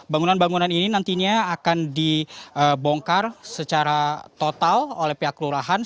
bangunan bangunan ini nantinya akan dibongkar secara total oleh pihak kelurahan